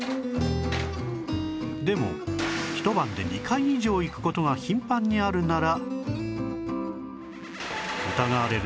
でもひと晩で２回以上行く事が頻繁にあるなら